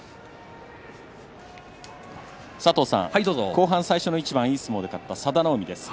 後半最初の一番いい相撲で勝った佐田の海です。